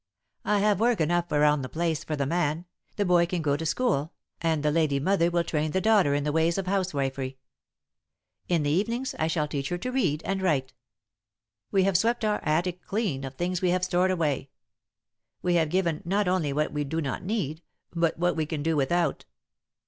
I have work enough around the place for the man, the boy can go to school, and the Lady Mother will train the daughter in the ways of housewifery. In the evenings I shall teach her to read and write. [Sidenote: Passing On] "We have swept our attic clean of things we had stored away. We have given not only what we do not need, but what we can do without.